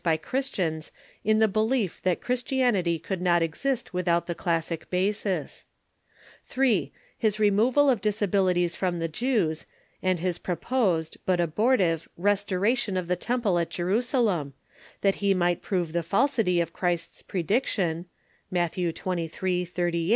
by Christians in the belief that Christianity could not exist without tbe classic basis ; 3, his removal of disabili ties from the Jews, and his proposed, but abortive, restoration of the temple at Jerusalem, that he might prove tbe falsity of Christ's prediction (Matt, xxiii.